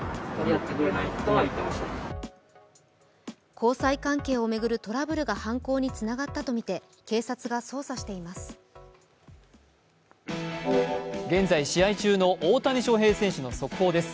交際関係を巡るトラブルが犯行につながったとみて現在試合中の大谷選手の速報です。